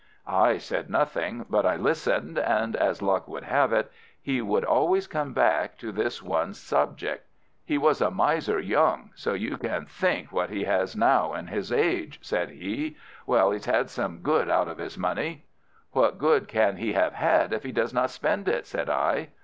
I said nothing, but I listened, and as luck would have it, he would always come back to this one subject. "He was a miser young, so you can think what he is now in his age," said he. "Well, he's had some good out of his money." "What good can he have had if he does not spend it?" said I.